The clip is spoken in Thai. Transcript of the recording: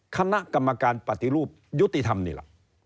คณะกรรมการปฏิรูปยุติธรรมนี่แหละ